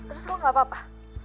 terus kok gak apa apa